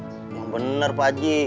enggak benar pak haji